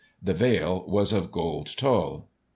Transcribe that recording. The veil was of gold tulle.